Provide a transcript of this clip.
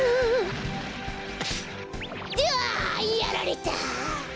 どあ！やられた！